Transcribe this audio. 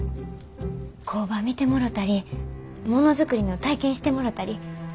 工場見てもろたりものづくりの体験してもろたり。